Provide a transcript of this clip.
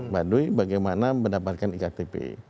baduy bagaimana mendapatkan iktp